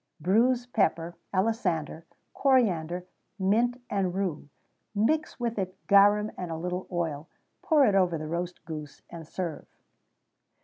_ Bruise pepper, alisander, coriander, mint, and rue; mix with it garum and a little oil; pour it over the roast goose, and serve.